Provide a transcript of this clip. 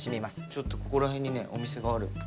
ちょっと、ここら辺にお店ある。